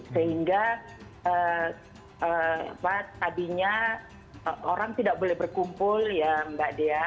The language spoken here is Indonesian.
sehingga tadinya orang tidak boleh berkumpul ya mbak dea